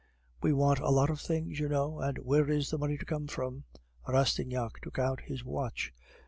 "We want a lot of things, you know; and where is the money to come from?" Rastignac took out his watch.